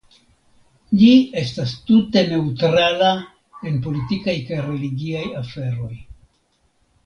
Ĝi estas tute neŭtrala en politikaj kaj religiaj aferoj.